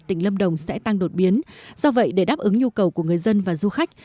tỉnh lâm đồng sẽ tăng đột biến do vậy để đáp ứng nhu cầu của người dân và du khách